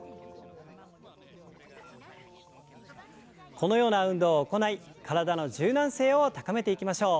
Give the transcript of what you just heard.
このような運動を行い体の柔軟性を高めていきましょう。